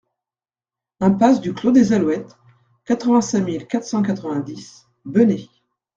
Impasse du Clos des Alouettes, quatre-vingt-cinq mille quatre cent quatre-vingt-dix Benet